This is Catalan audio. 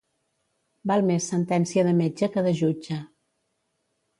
Val més sentència de metge que de jutge.